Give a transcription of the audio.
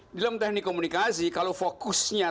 di dalam teknik komunikasi kalau fokusnya